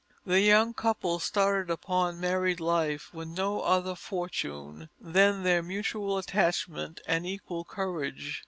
The young couple started upon married life with no other fortune than their mutual attachment and equal courage.